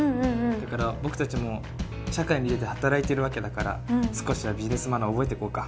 だから僕たちも社会に出て働いているわけだから少しはビジネスマナー覚えていこうか。